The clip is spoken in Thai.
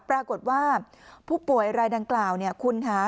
ปรากฏว่าผู้ป่วยรายดังกล่าวเนี่ยคุณค่ะ